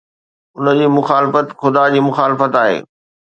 ان جي مخالفت خدا جي مخالفت آهي.